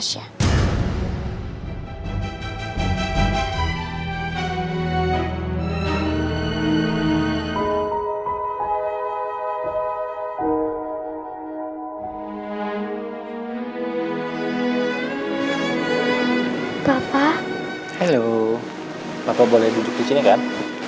halo papa boleh duduk disini kan